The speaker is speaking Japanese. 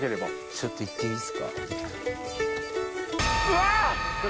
ちょっと行っていいですか。